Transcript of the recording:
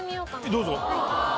どうぞ。